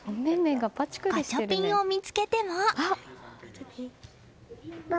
ガチャピンを見つけても。